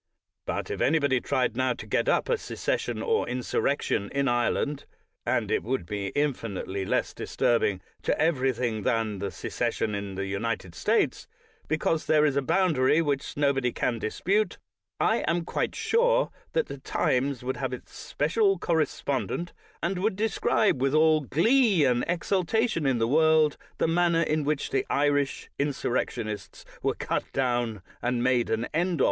But if anybody tried now to get up a secession or insurrection in Ireland— and it would be in finitely less disturbing to everything than the secession in the United States, because there is a boundary which nobody can dispute — I am quite sure that the Times would have its '* special correspondent," and would describe with all glee and exultation in the world the manner in which the Irish insurrectionists were cut down and made an end of.